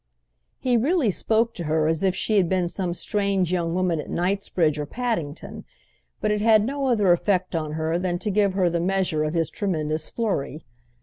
He really spoke to her as if she had been some strange young woman at Knightsbridge or Paddington; but it had no other effect on her than to give her the measure of his tremendous flurry.